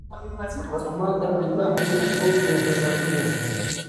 غرمه د الله مهربانۍ یاد ده